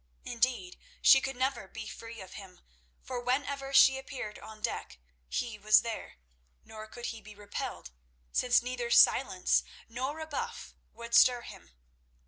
Indeed, she could never be free of him, for whenever she appeared on deck he was there, nor could he be repelled, since neither silence nor rebuff would stir him.